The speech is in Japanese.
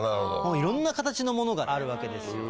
いろんな形のものがあるわけですよ。